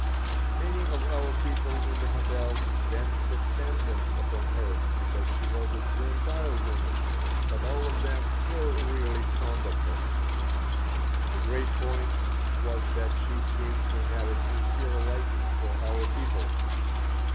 Many of our people in the hotel danced attendance upon her because she was a Gentile woman, but all of them were really fond of her. The great point was that she seemed to have a sincere liking for our people.